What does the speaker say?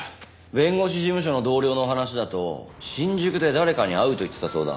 弁護士事務所の同僚の話だと新宿で誰かに会うと言ってたそうだ。